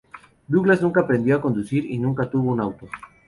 Douglas nunca aprendió a conducir y nunca tuvo un auto.